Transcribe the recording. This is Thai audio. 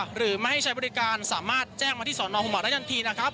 หรือไม่ให้ใช้บริการสามารถแจ้งมาที่สอนอหัวได้ทันทีนะครับ